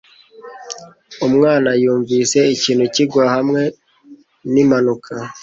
Umwana yumvise ikintu kigwa hamwe nimpanuka.